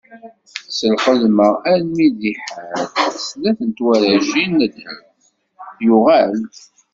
S lxedma almi d iḥal snat n twaracin n ddheb, yuɣal-d.